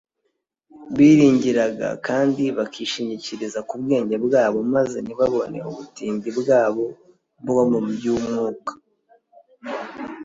bariyiringira kandi bakishingikiriza ku bwenge bwabo maze ntibabone ubutindi bwabo bwo mu by’umwuka